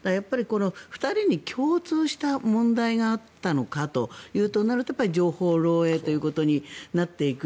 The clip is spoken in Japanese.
２人に共通した問題があったのかというとなると情報漏えいということになっていく。